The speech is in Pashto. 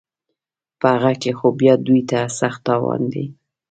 په هغه کې خو بیا دوی ته سخت تاوان دی